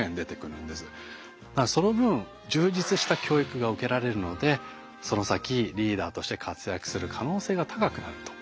その分充実した教育が受けられるのでその先リーダーとして活躍する可能性が高くなると。